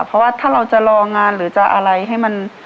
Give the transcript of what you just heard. เพราะว่าถ้าเราจะรองานหรือจะอะไรให้มัน